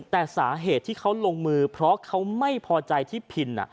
แต่สาเหตุที่เขาลงมือเพราะเขาไม่พอใจที่พิน